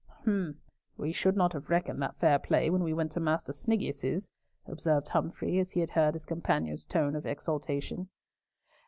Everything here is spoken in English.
"Hum! We should not have reckoned that fair play when we went to Master Sniggius's," observed Humfrey, as he heard his companion's tone of exultation.